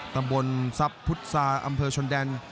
ตำบลทรัพย์ทรัพย์พุศาอำเภอชนแดน